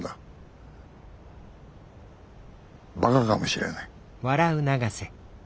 バカかもしれない。